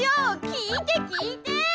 きいてきいて！